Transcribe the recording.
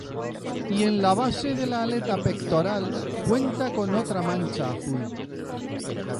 Y en la base de la aleta pectoral, cuenta con otra mancha azul.